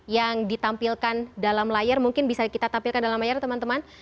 yang ditampilkan dalam layar mungkin bisa kita tampilkan dalam layar teman teman